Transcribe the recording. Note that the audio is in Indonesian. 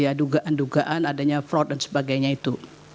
ya dugaan dugaan adanya fraud dan sebagainya itu